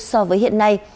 so với hiện nay